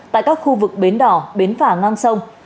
tại các khu vực bến đỏ bến phả ngang sông